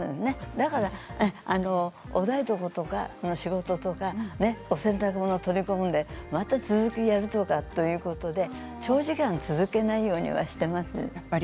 だから、お台所とかの仕事とかお洗濯物を取り込んでまた続きをやるとかということで長時間続けないようにはしていますね、やっぱり。